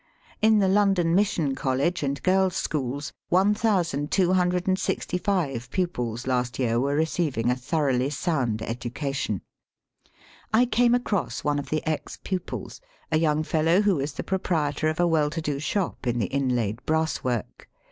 In the London Mission College and Girls' School, 1265 pupils last year were receiving a thoroughly sound education. I came across one of the ex pupils^ a young fellow who is the proprietor of a well to do shop in the inlaid brass work.